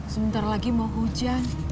sebentar lagi mau hujan